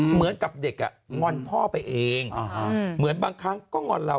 เหมือนกับเด็กอ่ะงอนพ่อไปเองเหมือนบางครั้งก็งอนเรา